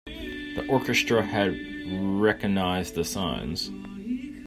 The orchestra had recognized the signs.